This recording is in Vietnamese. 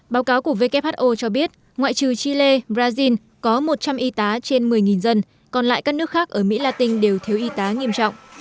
báo cáo của who cho biết ngoại trừ chile brazil có một trăm linh y tá trên một mươi dân còn lại các nước khác ở mỹ latin đều thiếu y tá nghiêm trọng